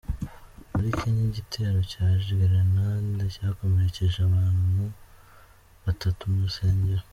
Muri Kenya igitero cya Gerenade cyakomerekeje abana batatu mu rusengero